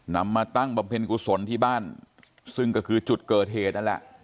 มาตั้งบำเพ็ญกุศลที่บ้านซึ่งก็คือจุดเกิดเหตุนั่นแหละ